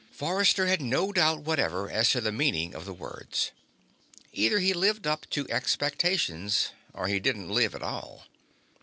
Forrester had no doubt whatever as to the meaning of the words. Either he lived up to expectations or he didn't live at all.